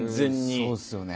そうですよね。